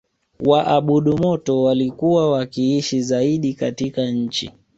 waabudu moto waliokuwa wakiishi zaidi katika nchi